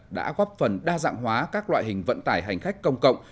đã góp phần đa dạng hóa các loại hình vận tải hành khách công cộng